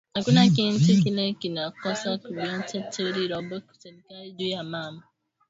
Akuna kintu kile kina kosa ku byote turi lomba ku serkali nju ya mama